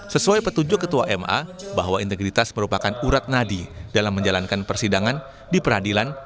sesuai petunjuk ketua ma bahwa integritas merupakan urat nadi dalam menjalankan persidangan di peradilan